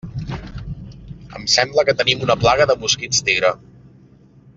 Em sembla que tenim una plaga de mosquits tigre.